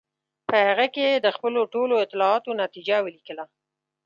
په هغه کې یې د خپلو ټولو اطلاعاتو نتیجه ولیکله.